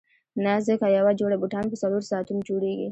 نه ځکه یوه جوړه بوټان په څلورو ساعتونو جوړیږي.